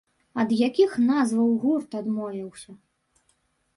Ад якіх назваў гурт адмовіўся?